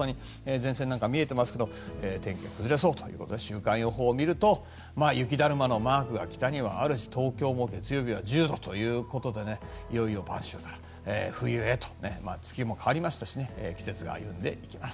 前線なんかが見えていますが天気が崩れそうということで週間予報を見ると雪だるまのマークが北にあるし東京も月曜日は１０度といよいよ晩秋から冬へと月も変わりましたし季節が歩んでいきます。